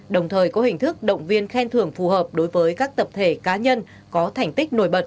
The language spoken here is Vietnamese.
đồng thời có hình thức động viên khen thưởng phù hợp đối với các tập thể cá nhân có thành tích nổi bật